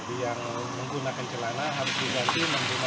untuk masuk ke masjid kuno bayan ini